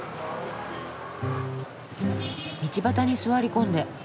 道端に座り込んで。